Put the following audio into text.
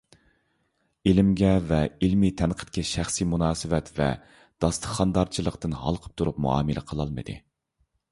ئىلىمگە ۋە ئىلمىي تەنقىدكە شەخسىي مۇناسىۋەت ۋە داستىخاندارچىلىقتىن ھالقىپ تۇرۇپ مۇئامىلە قىلالمىدى.